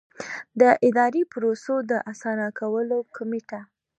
د اداري پروسو د اسانه کولو کمېټه.